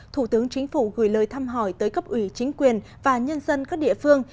thủ tướng chính phủ gửi lời thăm hỏi tới cấp ủy chính quyền và nhân dân các địa phương